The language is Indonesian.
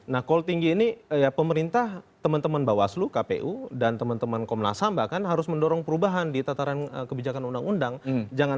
nah kol tinggi ini pemerintah teman teman bawaslu kpu dan teman teman komnasamba kan harus mendorong perubahan di tataran kebijakan undang undang